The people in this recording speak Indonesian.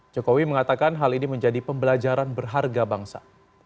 jokowi mengatakan hal ini menjadi pembelajaran berharga bangsa